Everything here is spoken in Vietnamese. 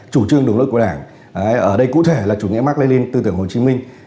chủ trương đường lối của đảng ở đây cụ thể là chủ nghĩa mark lenin tư tưởng hồ chí minh